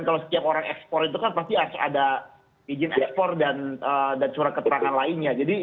kalau setiap orang ekspor itu kan pasti ada izin ekspor dan surat keterangan lainnya